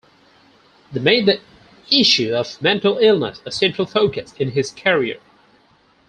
He made the issue of mental illness a central focus in his career.